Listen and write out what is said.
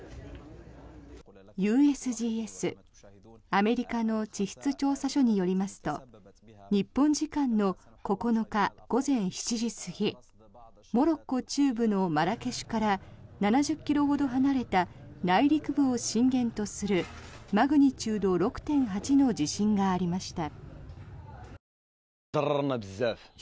ＵＳＧＳ・アメリカ地質調査所によりますと日本時間の９日午前７時過ぎモロッコ中部のマラケシュから７０ｋｍほど離れた内陸部を震源とするマグニチュード６．８の地震がありました。